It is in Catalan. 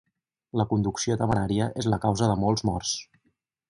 La conducció temerària és la causa de molts morts.